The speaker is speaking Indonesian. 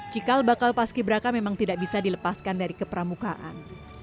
cikal bakal paski braka memang tidak bisa dilepaskan dari kepramukaan